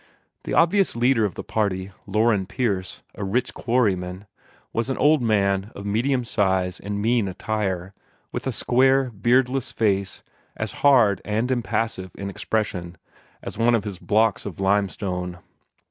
The obvious leader of the party, Loren Pierce, a rich quarryman, was an old man of medium size and mean attire, with a square, beardless face as hard and impassive in expression as one of his blocks of limestone.